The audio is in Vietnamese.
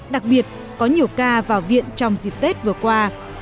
đặc biệt có nhiều ca vào viện trong dịp tết vừa qua